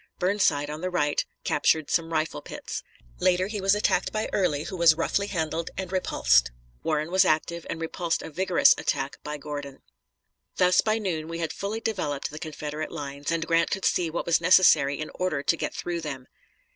Burnside, on the right, captured some rifle pits. Later he was attacked by Early, who was roughly handled and repulsed. Warren was active, and repulsed a vigorous attack by Gordon. Thus by noon we had fully developed the Confederate lines, and Grant could see what was necessary in order to get through them.